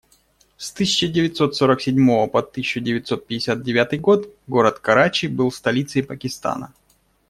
С тысяча девятьсот сорок седьмого по тысячу девятьсот пятьдесят девятый год город Карачи был столицей Пакистана.